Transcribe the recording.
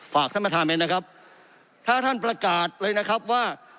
ฝากท่านประธานไว้นะครับถ้าท่านประกาศเลยนะครับว่า